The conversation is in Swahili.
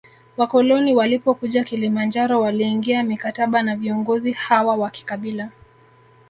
Wakoloni walipokuja Kilimanjaro waliingia mikataba na viongozi hawa wa kikabila